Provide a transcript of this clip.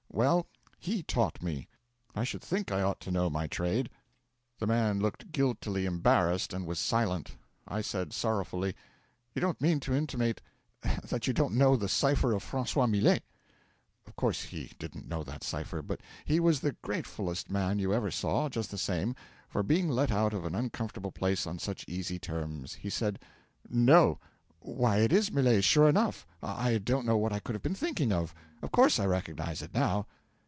Well, he taught me! I should think I ought to know my trade!" 'The man looked guiltily embarrassed, and was silent. I said sorrowfully: '"You don't mean to intimate that you don't know the cipher of Francois Millet!" 'Of course he didn't know that cipher; but he was the gratefullest man you ever saw, just the same, for being let out of an uncomfortable place on such easy terms. He said: '"No! Why, it is Millet's, sure enough! I don't know what I could have been thinking of. Of course I recognise it now."